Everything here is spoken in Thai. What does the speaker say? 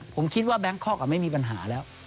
ผมคิดว่าแบงคอกไม่มีปัญหาแล้ว